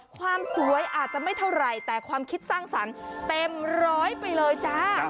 ความสวยอาจจะไม่เท่าไหร่แต่ความคิดสร้างสรรค์เต็มร้อยไปเลยจ้า